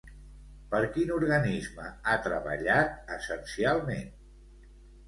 Per quin organisme ha treballat, essencialment?